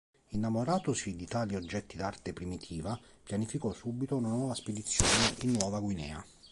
Innamoratosi di tali oggetti d'arte primitiva, pianificò subito una nuova spedizione in Nuova Guinea.